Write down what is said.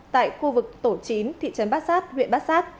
tại khu vực tổ chính thị trấn bát giác huyện bát giác